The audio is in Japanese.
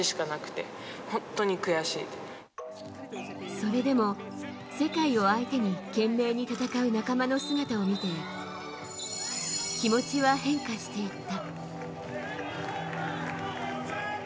それでも世界を相手に懸命に戦う仲間の姿を見て気持ちは変化していった。